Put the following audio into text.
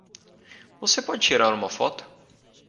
Você pode tirar uma foto?